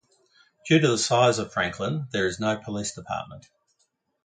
Due to the size of Franklin, there is no police department.